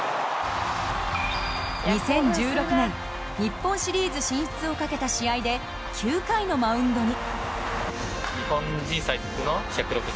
２０１６年日本シリーズ進出を懸けた試合で９回のマウンドに。